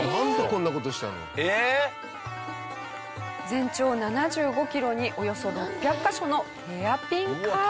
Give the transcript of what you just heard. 全長７５キロにおよそ６００カ所のヘアピンカーブ。